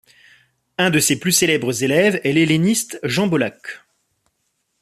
Un de ses plus célèbres élèves est l'helléniste Jean Bollack.